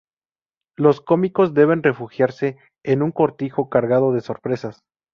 Los cómicos deben refugiarse en un cortijo cargado de sorpresas.